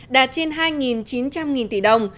đạt trên hai chín trăm linh tỷ đồng